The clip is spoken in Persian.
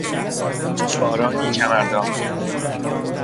بارانی کمر دار